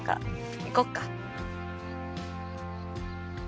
行こっか。